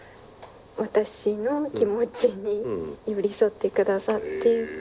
私の気持ちに寄り添ってくださって。